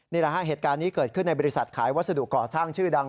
นี่แหละฮะเหตุการณ์นี้เกิดขึ้นในบริษัทขายวัสดุก่อสร้างชื่อดัง